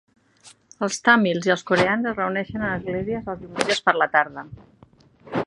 Els tàmils i els coreans es reuneixen en esglésies els diumenges per la tarda.